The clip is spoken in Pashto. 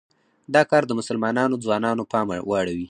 دا کار د مسلمانو ځوانانو پام واړوي.